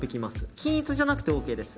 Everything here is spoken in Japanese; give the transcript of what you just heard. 均一じゃなくてＯＫです。